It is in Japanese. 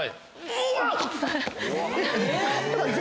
うわっ！